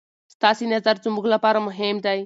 ستاسې نظر زموږ لپاره مهم دی.